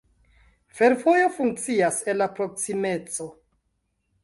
Fervojo funkcias en la proksimeco.